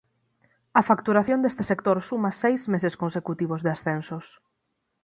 A facturación deste sector suma seis meses consecutivos de ascensos.